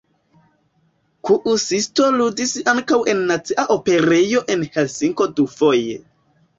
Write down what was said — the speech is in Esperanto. Kuusisto ludis ankaŭ en nacia operejo en Helsinko dufoje.